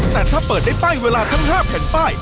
แต่ถ้าเปิดได้ป้ายเวลาทั้ง๕แผ่นป้าย